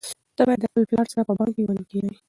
ته باید د خپل پلار سره په بڼ کې ونې کښېنوې.